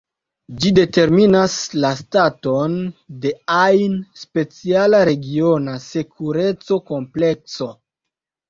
Ĝi determinas la staton de ajn speciala regiona sekureco-komplekso.